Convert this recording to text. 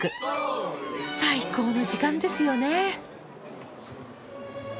最高の時間ですよね。